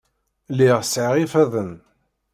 Lliɣ sɛiɣ ifadden.